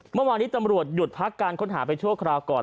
เมื่อวานี้ตำรวจหยุดพักการค้นหาไปชั่วคราวก่อน